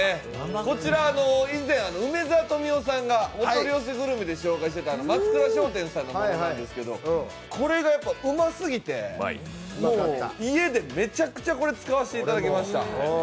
こちら以前、梅沢富美男さんがお取り寄せグルメで紹介してた松庫商店さんのなんですけど、これがうますぎて家でめちゃくちゃ、これ使わさせていただきました。